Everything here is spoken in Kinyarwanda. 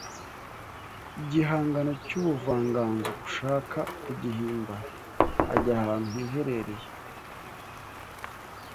Igihangano cy’ubuvanganzo ushaka kugihimba ajya ahantu hiherereye